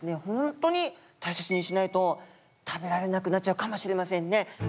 ほんとに大切にしないと食べられなくなっちゃうかもしれませんね。